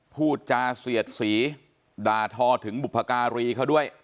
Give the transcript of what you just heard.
พูดจาเสียดสีด่าทอถึงบุพการีเขาด้วย